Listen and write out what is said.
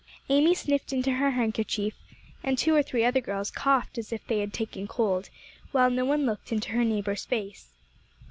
Amy sniffed into her handkerchief, and two or three other girls coughed as if they had taken cold, while no one looked into her neighbor's face.